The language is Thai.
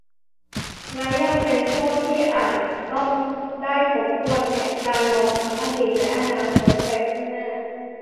และยังเป็นช่วงที่อาจต้องได้ทบทวนแผนการ มองทั้งอดีตและอนาคตไปข้างหน้า